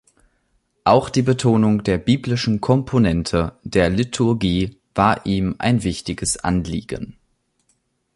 Auch die Betonung der biblischen Komponente der Liturgie war ihm ein wichtiges Anliegen.